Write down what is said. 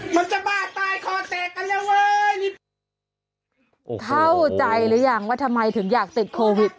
มันจะบ้าตายคอแตกกันแล้วเว้ยเข้าใจหรือยังว่าทำไมถึงอยากติดโควิด